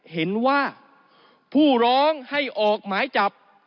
เห็นว่าผู้ร้องให้ออกหมายจับ